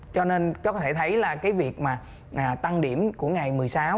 cho nên các bạn có thể thấy là cái việc mà tăng điểm của ngày một mươi sáu